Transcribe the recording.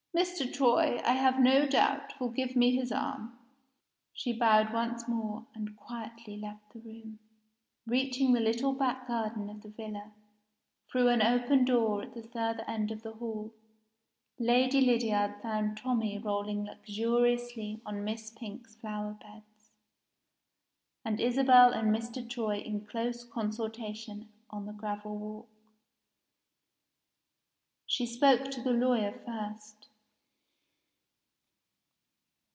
Mr. Troy, I have no doubt, will give me his arm." She bowed once more, and quietly left the room. Reaching the little back garden of the villa, through an open door at the further end of the hall, Lady Lydiard found Tommie rolling luxuriously on Miss Pink's flower beds, and Isabel and Mr. Troy in close consultation on the gravel walk. She spoke to the lawyer first.